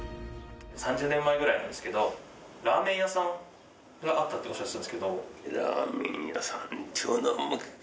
３０年前ぐらいなんですけどラーメン屋さんがあったっておっしゃっていたんですけど。